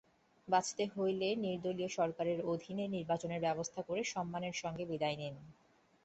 বাঁচতে চাইলে নিদর্লীয় সরকারের অধীনে নির্বাচনের ব্যবস্থা করে সম্মানের সঙ্গে বিদায় নিন।